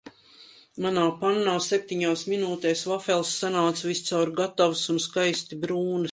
Manā pannā septiņās minūtēs vafeles sanāk viscaur gatavas un skaisti brūnas.